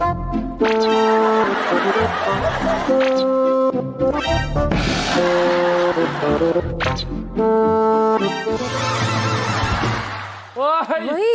เฮ้ยขอบกันเศรษฐ์